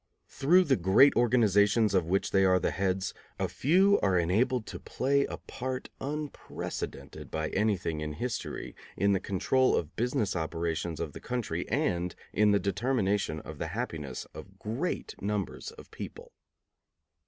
Through the great organizations of which they are the heads, a few are enabled to play a part unprecedented by anything in history in the control of the business operations of the country and in the determination of the happiness of great numbers of people.